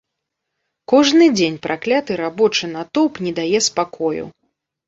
Кожны дзень пракляты рабочы натоўп не дае спакою.